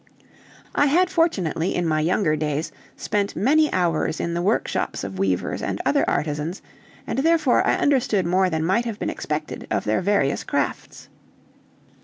I had fortunately in my younger days spent many hours in the workshops of weavers and other artisans, and therefore I understood more than might have been expected of their various crafts.